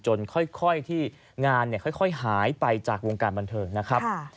ค่อยที่งานค่อยหายไปจากวงการบันเทิงนะครับ